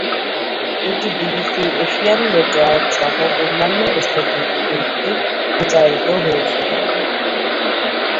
এটি BBC Asian network সহ অন্যান্য স্টেশনগুলিতে প্রচারিত হয়েছিল।